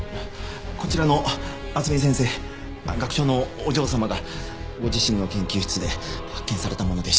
こちらの厚美先生学長のお嬢様がご自身の研究室で発見されたものでして。